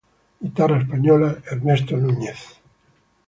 Guitarra española: Ernesto Nuñez.